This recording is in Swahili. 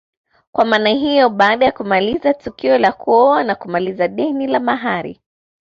Kwa maana hiyo baada ya kumaliza tukio la kuoa na kumaliza deni la mahari